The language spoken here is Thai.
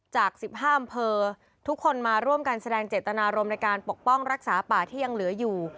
จาก๑๕อำเภอทุกคนมาร่วมกันแสดงเจตนารมณ์ในการปกป้องรักษาป่าที่ยังเหลืออยู่